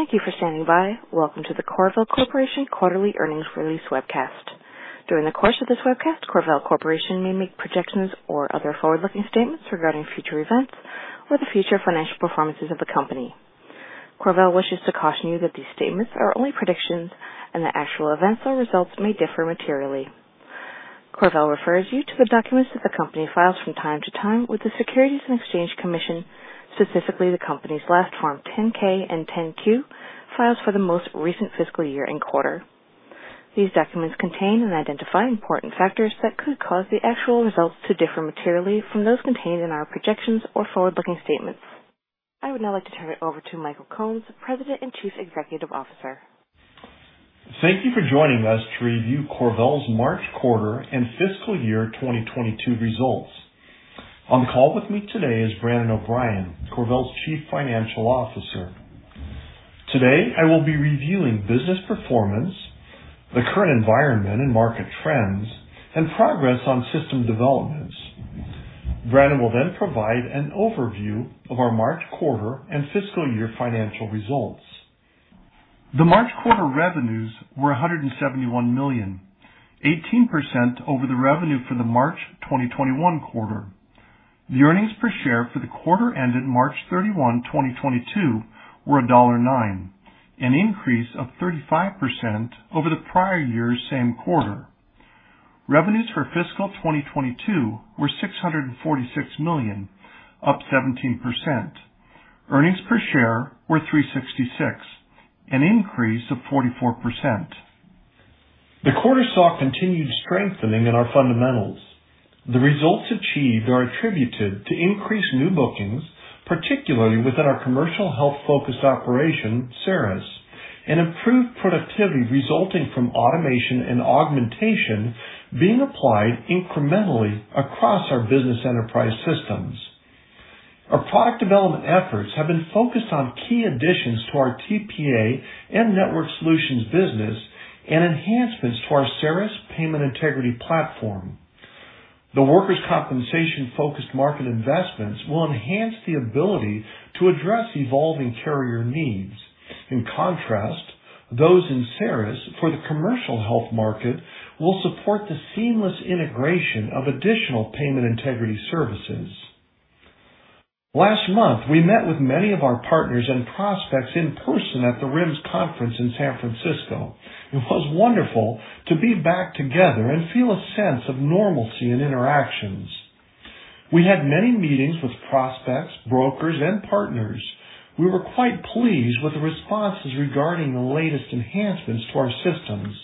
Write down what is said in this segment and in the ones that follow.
Thank you for standing by. Welcome to the CorVel Corporation Quarterly Earnings Release Webcast. During the course of this webcast, CorVel Corporation may make projections or other forward-looking statements regarding future events or the future financial performances of the company. CorVel wishes to caution you that these statements are only predictions and that actual events or results may differ materially. CorVel refers you to the documents that the company files from time to time with the Securities and Exchange Commission, specifically the company's last Form 10-K and 10-Q filings for the most recent fiscal year and quarter. These documents contain and identify important factors that could cause the actual results to differ materially from those contained in our projections or forward-looking statements. I would now like to turn it over to Michael Combs, President and Chief Executive Officer. Thank you for joining us to review CorVel's March quarter and fiscal year 2022 results. On the call with me today is Brandon O'Brien, CorVel's Chief Financial Officer. Today, I will be reviewing business performance, the current environment and market trends, and progress on system developments. Brandon will then provide an overview of our March quarter and fiscal year financial results. The March quarter revenues were $171 million, 18% over the revenue for the March 2021 quarter. The earnings per share for the quarter ended March 31, 2022 were $1.09, an increase of 35% over the prior year's same quarter. Revenues for fiscal 2022 were $646 million, up 17%. Earnings per share were $3.66, an increase of 44%. The quarter saw continued strengthening in our fundamentals. The results achieved are attributed to increased new bookings, particularly within our commercial health-focused operation, CERIS, and improved productivity resulting from automation and augmentation being applied incrementally across our business enterprise systems. Our product development efforts have been focused on key additions to our TPA and network solutions business and enhancements to our CERIS Payment Integrity platform. The workers' compensation-focused market investments will enhance the ability to address evolving carrier needs. In contrast, those in CERIS for the commercial health market will support the seamless integration of additional payment integrity services. Last month, we met with many of our partners and prospects in person at the RIMS Conference in San Francisco. It was wonderful to be back together and feel a sense of normalcy in interactions. We had many meetings with prospects, brokers, and partners. We were quite pleased with the responses regarding the latest enhancements to our systems.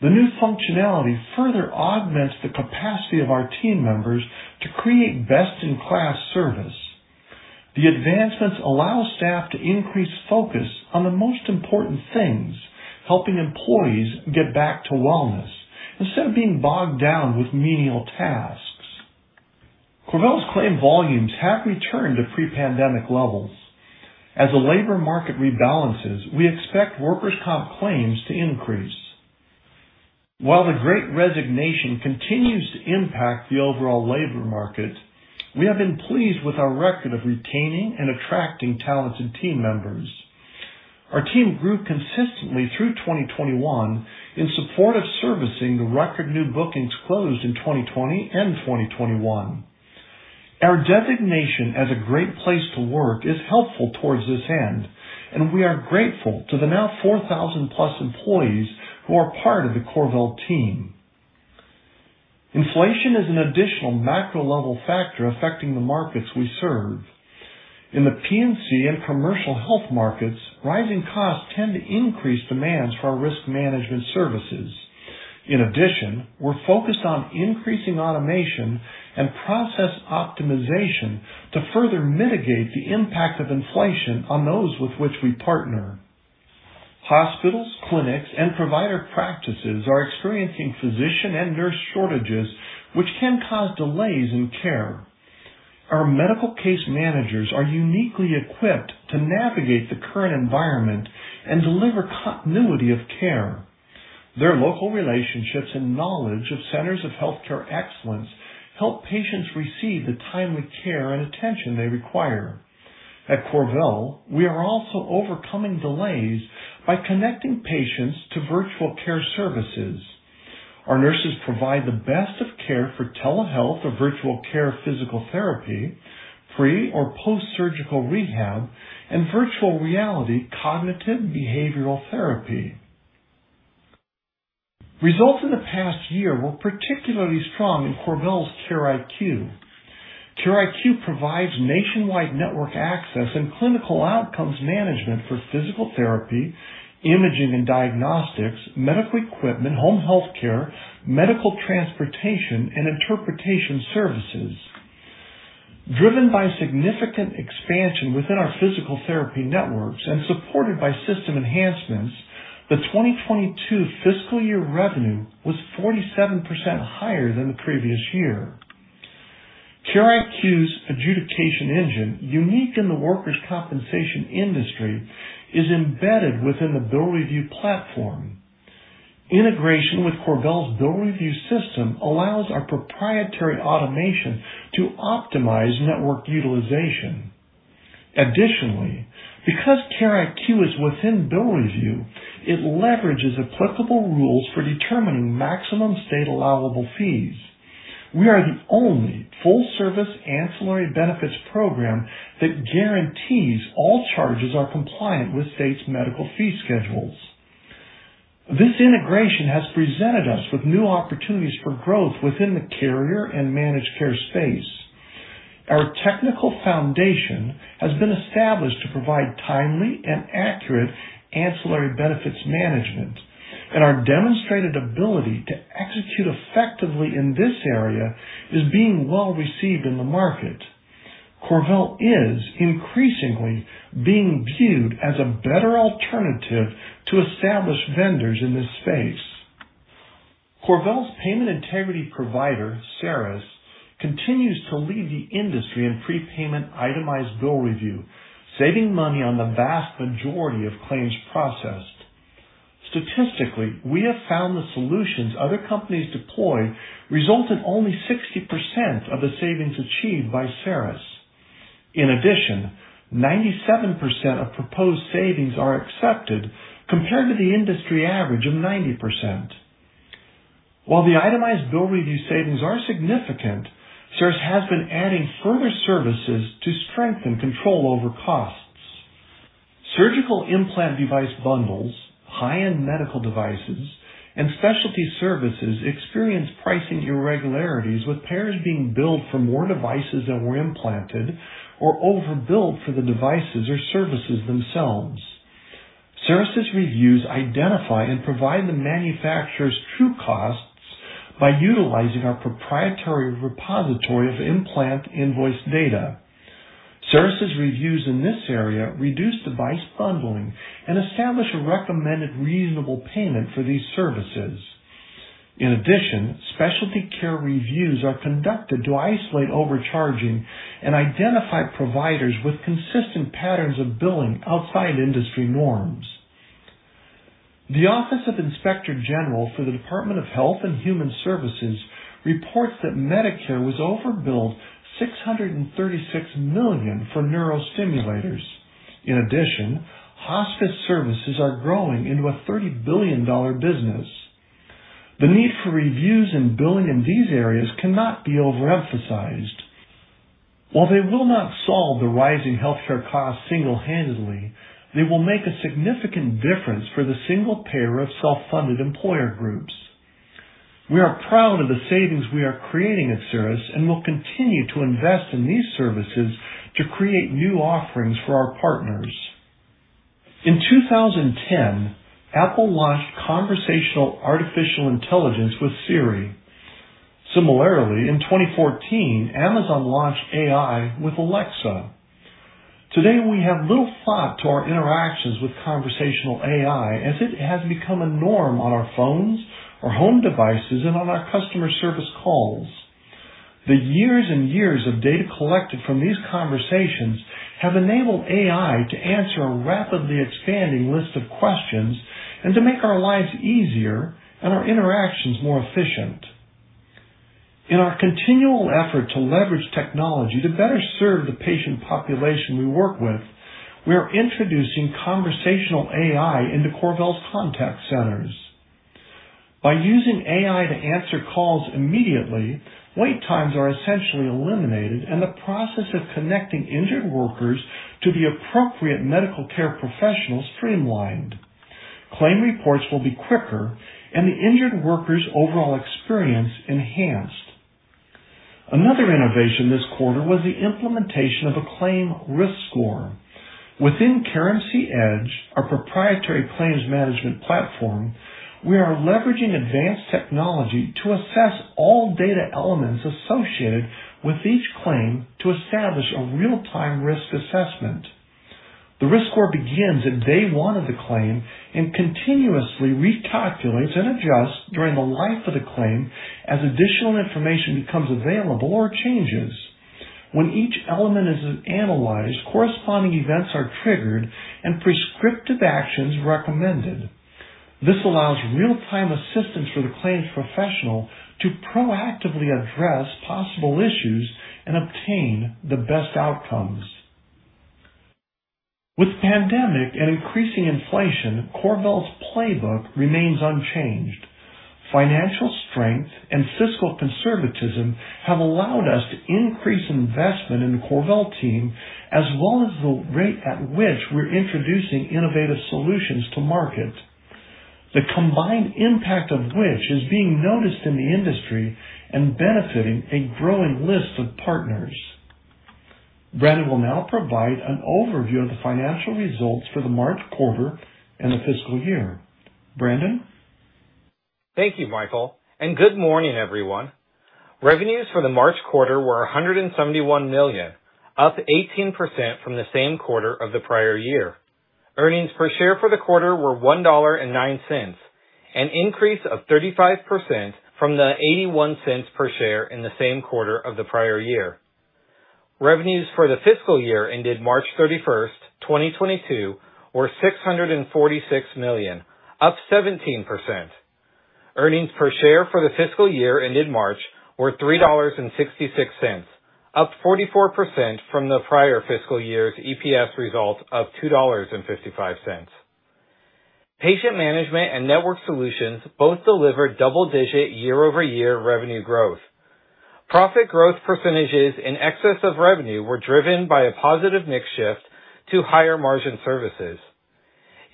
The new functionality further augments the capacity of our team members to create best-in-class service. The advancements allow staff to increase focus on the most important things, helping employees get back to wellness instead of being bogged down with menial tasks. CorVel's claim volumes have returned to pre-pandemic levels. As the labor market rebalances, we expect workers' comp claims to increase. While the great resignation continues to impact the overall labor market, we have been pleased with our record of retaining and attracting talented team members. Our team grew consistently through 2021 in support of servicing the record new bookings closed in 2020 and 2021. Our designation as a Great Place to Work is helpful towards this end, and we are grateful to the now 4,000+ employees who are part of the CorVel team. Inflation is an additional macro-level factor affecting the markets we serve. In the P&C and commercial health markets, rising costs tend to increase demands for our risk management services. In addition, we're focused on increasing automation and process optimization to further mitigate the impact of inflation on those with which we partner. Hospitals, clinics, and provider practices are experiencing physician and nurse shortages which can cause delays in care. Our medical case managers are uniquely equipped to navigate the current environment and deliver continuity of care. Their local relationships and knowledge of centers of healthcare excellence help patients receive the timely care and attention they require. At CorVel, we are also overcoming delays by connecting patients to virtual care services. Our nurses provide the best of care for telehealth or virtual care physical therapy, pre or post-surgical rehab, and virtual reality cognitive behavioral therapy. Results in the past year were particularly strong in CorVel's CareIQ. CareIQ provides nationwide network access and clinical outcomes management for physical therapy, imaging and diagnostics, medical equipment, home health care, medical transportation, and interpretation services. Driven by significant expansion within our physical therapy networks and supported by system enhancements, the 2022 fiscal year revenue was 47% higher than the previous year. CareIQ's adjudication engine, unique in the workers' compensation industry, is embedded within the AbilityView platform. Integration with CorVel's Bill Review system allows our proprietary automation to optimize network utilization. Additionally, because CareIQ is within Bill Review, it leverages applicable rules for determining maximum state allowable fees. We are the only full-service ancillary benefits program that guarantees all charges are compliant with state's medical fee schedules. This integration has presented us with new opportunities for growth within the carrier and managed care space. Our technical foundation has been established to provide timely and accurate ancillary benefits management, and our demonstrated ability to execute effectively in this area is being well received in the market. CorVel is increasingly being viewed as a better alternative to established vendors in this space. CorVel's payment integrity provider, CERIS, continues to lead the industry in prepayment itemized bill review, saving money on the vast majority of claims processed. Statistically, we have found the solutions other companies deploy result in only 60% of the savings achieved by CERIS. In addition, 97% of proposed savings are accepted compared to the industry average of 90%. While the itemized bill review savings are significant, CERIS has been adding further services to strengthen control over costs. Surgical implant device bundles, high-end medical devices, and specialty services experience pricing irregularities, with payers being billed for more devices that were implanted or overbilled for the devices or services themselves. CERIS' reviews identify and provide the manufacturer's true costs by utilizing our proprietary repository of implant invoice data. CERIS' reviews in this area reduce device bundling and establish a recommended reasonable payment for these services. In addition, specialty care reviews are conducted to isolate overcharging and identify providers with consistent patterns of billing outside industry norms. The Office of Inspector General for the Department of Health and Human Services reports that Medicare was overbilled $636 million for neurostimulators. In addition, hospice services are growing into a $30 billion business. The need for reviews and billing in these areas cannot be overemphasized. While they will not solve the rising healthcare costs single-handedly, they will make a significant difference for the single payer of self-funded employer groups. We are proud of the savings we are creating at CERIS and will continue to invest in these services to create new offerings for our partners. In 2010, Apple launched conversational artificial intelligence with Siri. Similarly, in 2014, Amazon launched AI with Alexa. Today, we have little thought to our interactions with conversational AI as it has become a norm on our phones or home devices and on our customer service calls. The years and years of data collected from these conversations have enabled AI to answer a rapidly expanding list of questions and to make our lives easier and our interactions more efficient. In our continual effort to leverage technology to better serve the patient population we work with, we are introducing conversational AI into CorVel's contact centers. By using AI to answer calls immediately, wait times are essentially eliminated and the process of connecting injured workers to the appropriate medical care professionals streamlined. Claim reports will be quicker and the injured worker's overall experience enhanced. Another innovation this quarter was the implementation of a claim risk score. Within CareMC Edge, our proprietary claims management platform, we are leveraging advanced technology to assess all data elements associated with each claim to establish a real-time risk assessment. The risk score begins at day one of the claim and continuously recalculates and adjusts during the life of the claim as additional information becomes available or changes. When each element is analyzed, corresponding events are triggered and prescriptive actions recommended. This allows real-time assistance for the claims professional to proactively address possible issues and obtain the best outcomes. With the pandemic and increasing inflation, CorVel's playbook remains unchanged. Financial strength and fiscal conservatism have allowed us to increase investment in the CorVel team, as well as the rate at which we're introducing innovative solutions to market, the combined impact of which is being noticed in the industry and benefiting a growing list of partners. Brandon will now provide an overview of the financial results for the March quarter and the fiscal year. Brandon? Thank you, Michael, and good morning, everyone. Revenues for the March quarter were $171 million, up 18% from the same quarter of the prior year. Earnings per share for the quarter were $1.09, an increase of 35% from the $0.81 per share in the same quarter of the prior year. Revenues for the fiscal year ended March 31st, 2022 were $646 million, up 17%. Earnings per share for the fiscal year ended March 31, 2022 were $3.66, up 44% from the prior fiscal year's EPS result of $2.55. Patient management and network solutions both delivered double-digit year-over-year revenue growth. Profit growth percentages in excess of revenue were driven by a positive mix shift to higher margin services.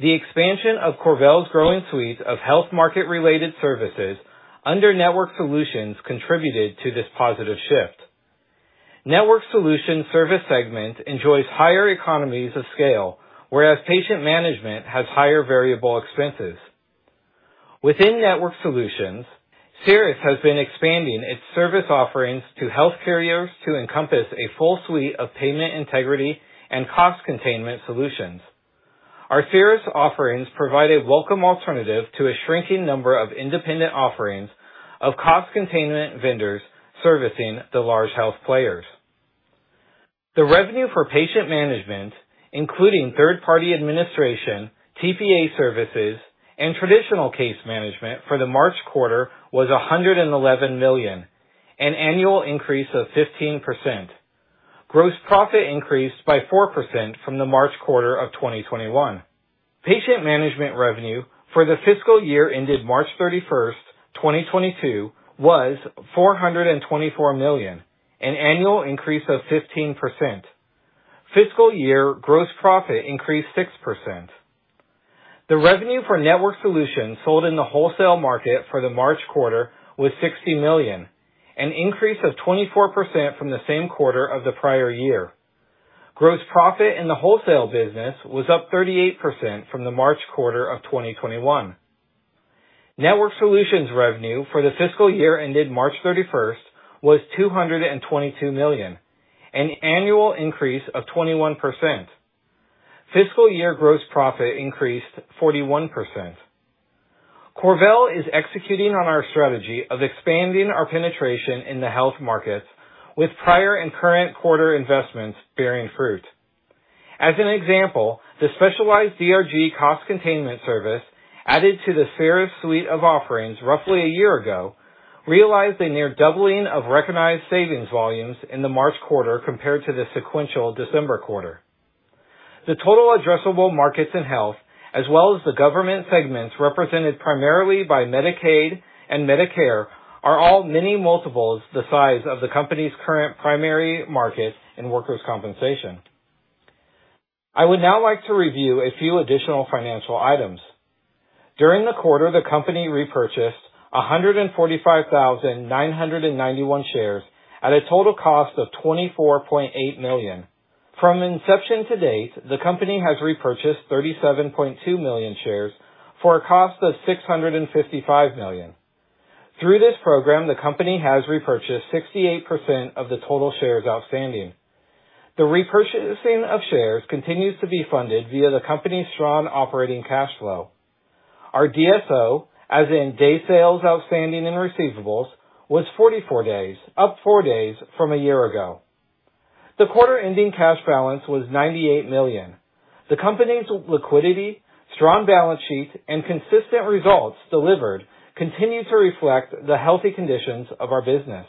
The expansion of CorVel's growing suite of health market-related services under network solutions contributed to this positive shift. Network solution service segment enjoys higher economies of scale, whereas patient management has higher variable expenses. Within network solutions, CERIS has been expanding its service offerings to health carriers to encompass a full suite of payment, integrity, and cost containment solutions. Our CERIS offerings provide a welcome alternative to a shrinking number of independent offerings of cost containment vendors servicing the large health players. The revenue for patient management, including third-party administration, TPA services, and traditional case management for the March quarter was $111 million, an annual increase of 15%. Gross profit increased by 4% from the March quarter of 2021. Patient management revenue for the fiscal year ended March 31st, 2022 was $424 million, an annual increase of 15%. Fiscal year gross profit increased 6%. The revenue for network solutions sold in the wholesale market for the March quarter was $60 million, an increase of 24% from the same quarter of the prior year. Gross profit in the wholesale business was up 38% from the March quarter of 2021. Network solutions revenue for the fiscal year ended March 31st was $222 million, an annual increase of 21%. Fiscal year gross profit increased 41%. CorVel is executing on our strategy of expanding our penetration in the health markets with prior and current quarter investments bearing fruit. As an example, the specialized DRG cost containment service added to the CERIS suite of offerings roughly a year ago realized a near doubling of recognized savings volumes in the March quarter compared to the sequential December quarter. The total addressable markets in health as well as the government segments represented primarily by Medicaid and Medicare are all many multiples the size of the company's current primary market in workers' compensation. I would now like to review a few additional financial items. During the quarter, the company repurchased 145,991 shares at a total cost of $24.8 million. From inception to date, the company has repurchased 37.2 million shares for a cost of $655 million. Through this program, the company has repurchased 68% of the total shares outstanding. The repurchasing of shares continues to be funded via the company's strong operating cash flow. Our DSO, as in day sales outstanding and receivables, was 44 days, up four days from a year ago. The quarter-ending cash balance was $98 million. The company's liquidity, strong balance sheet, and consistent results delivered continue to reflect the healthy conditions of our business.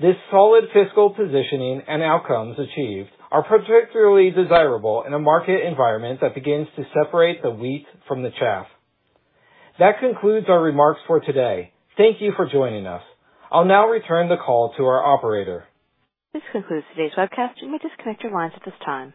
This solid fiscal positioning and outcomes achieved are particularly desirable in a market environment that begins to separate the wheat from the chaff. That concludes our remarks for today. Thank you for joining us. I'll now return the call to our operator. This concludes today's webcast. You may disconnect your lines at this time.